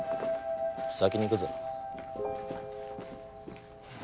先に行くぞ。